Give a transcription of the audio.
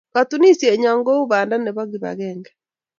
Katunisienyo ko u panda nebo kipakenge